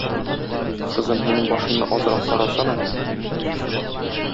Кызым, минем башымны азрак тарасана.